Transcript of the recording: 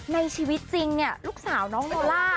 ในชีวิตจริงเนี่ยลูกสาวน้องเบลล่า